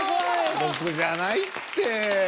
僕じゃないって。